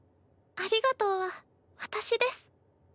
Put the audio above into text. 「ありがとう」は私です。